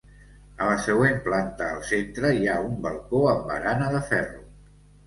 A la següent planta al centre hi ha un balcó amb barana de ferro.